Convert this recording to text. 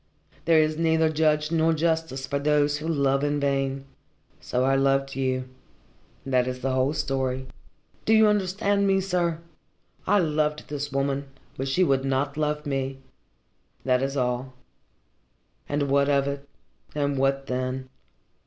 There is neither judge nor justice for those who love in vain. So I loved you. That is the whole story. Do you understand me, sir? I loved this woman, but she would not love me. That is all. And what of it, and what then?